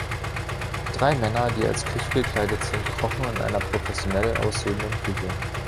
Drei Männer, die als Köche gekleidet sind, kochen in einer professionell aussehenden Küche.